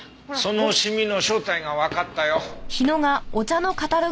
そのシミの正体がわかったよ。